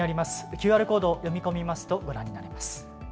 ＱＲコードを読み込みますとご覧になれます。